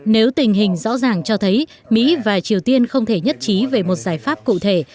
nếu tình hình rõ ràng cho thấy mỹ và triều tiên không thể nhất trí về một giải pháp cụ thể